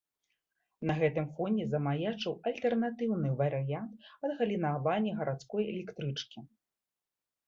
На гэтым фоне замаячыў альтэрнатыўны варыянт адгалінаванні гарадской электрычкі.